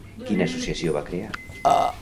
Quina associació va crear?